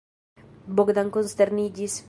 Bogdan konsterniĝis.